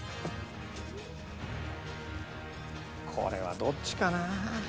これはどっちかな？